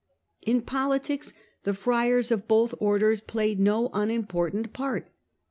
In politics the friars of both Orders played no unimportant part.